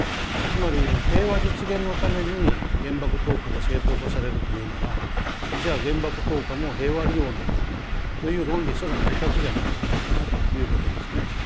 つまり平和実現のために原爆投下が正当化されるというならじゃあ原爆投下も平和利用なんだという論理すら成り立つじゃないかということですね。